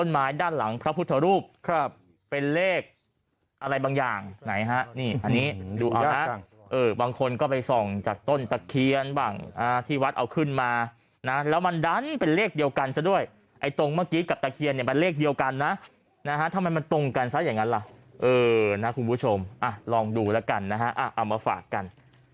บางคนก็ไปส่องจากต้นตะเคียนบางที่วัดเอาขึ้นมานะแล้วมันดันเป็นเลขเดียวกันซะด้วยไอ้ตรงเมื่อกี้กับตะเคียนเนี้ยมันเลขเดียวกันนะนะฮะทำไมมันตรงกันซะอย่างงั้นล่ะเออนะคุณผู้ชมอ่ะลองดูแล้วกันนะฮะอ่ะเอามาฝากกัน